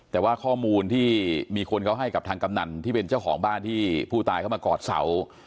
แต่ว่าข้อมูลที่มีคนเขาให้กับทางกำนันที่เป็นเจ้าของบ้านที่ผู้ตายเข้ามากอดเสา